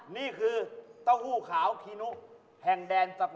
นี่คือเต้าหู้ขาวคีนุแห่งแดนสเป